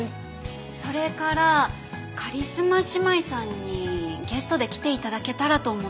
それからカリスマ姉妹さんにゲストで来て頂けたらと思っていて。